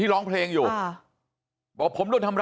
นี่คุณตูนอายุ๓๗ปีนะครับ